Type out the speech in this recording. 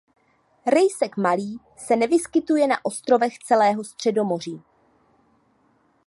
Rejsek malý se nevyskytuje na ostrovech celého Středomoří.